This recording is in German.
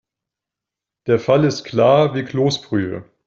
Der Fall ist klar wie Kloßbrühe.